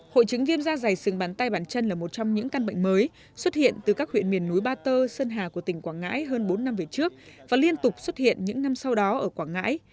hội chứng viêm da dày sừng bàn tay bản chân là một trong những căn bệnh mới xuất hiện từ các huyện miền núi ba tơ sơn hà của tỉnh quảng ngãi hơn bốn năm về trước và liên tục xuất hiện những năm sau đó ở quảng ngãi